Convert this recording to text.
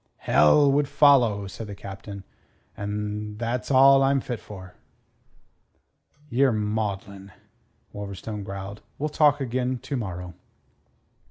"Hell would follow," said the Captain. "An' tha's all I'm fit for." "Ye're maudlin," Wolverstone growled. "We'll talk again to morrow."